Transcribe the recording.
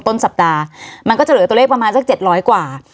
ต้นสัปดาห์มันก็จะเหลือตัวเลขประมาณสัก๗๐๐กว่า